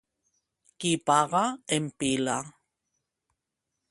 Qui paga empila.